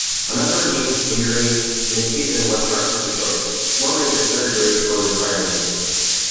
Another knee injury mid-season left Hart with a choice: more major surgery or retirement.